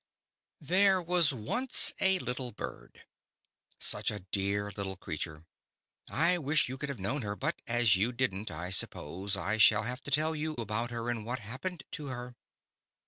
THERE was once a little Bird. Such a dear little creature. I wish you could have known her, but as you did n*t I suppose I shall have to tell you about her and what hap pened to her.